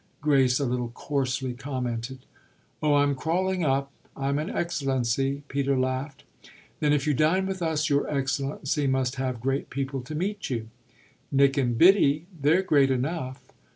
Grace a little coarsely commented. "Oh I'm crawling up I'm an excellency," Peter laughed. "Then if you dine with us your excellency must have great people to meet you." "Nick and Biddy they're great enough."